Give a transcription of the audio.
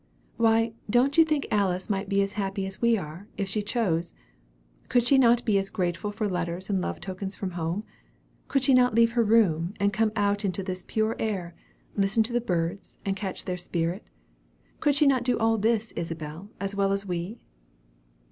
"Why, don't you think Alice might be as happy as we are, if she chose? Could she not be as grateful for letters and love tokens from home? Could she not leave her room, and come out into this pure air, listen to the birds, and catch their spirit? Could she not do all this, Isabel, as well as we?"